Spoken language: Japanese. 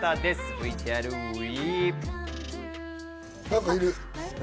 ＶＴＲＷＥ！